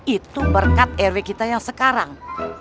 itu berkat rw kita yang sekarang